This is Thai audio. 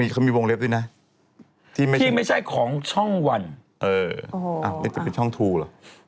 เขามีวงเล็บด้วยนะที่ไม่ใช่ของช่อง๑เอออ้าวนี่จะเป็นช่อง๒เหรอ